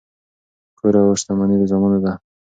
کور او شتمني د زامنو ده.